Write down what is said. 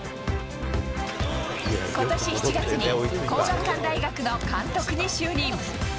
ことし７月に皇學館大学の監督に就任。